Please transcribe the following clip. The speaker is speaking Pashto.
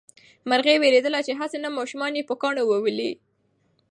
مرغۍ وېرېدله چې هسې نه ماشومان یې په کاڼو وولي.